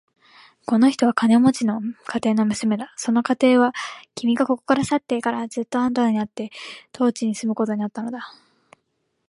この人は金持の家庭の娘だ。その家庭は、君がここから去ってからずっとあとになって当地に住むことになったのだ。